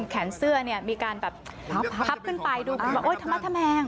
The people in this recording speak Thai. แขนเสื้อเนี่ยมีการแบบพับขึ้นไปดูกันว่าโอ๊ยธรรมธแมง